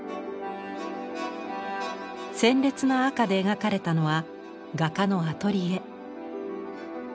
鮮烈な赤で描かれたのは画家のアトリエ。